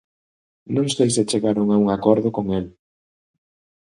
Non sei se chegaron a un acordo con el.